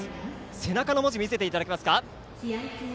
背中の文字見せていただけますか？